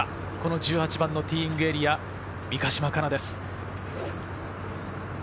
１８番のティーイングエリア、三ヶ島かなです。